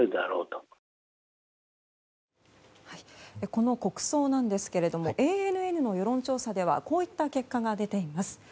この国葬なんですけれどもＡＮＮの世論調査ではこういった結果が出ています。